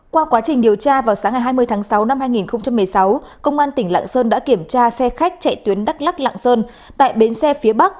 qua quá trình điều tra vào sáng ngày hai mươi tháng sáu năm hai nghìn một mươi sáu công an tỉnh lạng sơn đã kiểm tra xe khách chạy tuyến đắk lắc lạng sơn tại bến xe phía bắc